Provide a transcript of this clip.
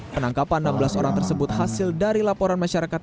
penangkapan enam belas orang tersebut hasil dari laporan masyarakat